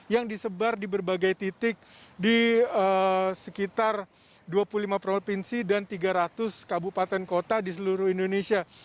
yang disebar di berbagai titik di sekitar dua puluh lima provinsi dan tiga ratus kabupaten kota di seluruh indonesia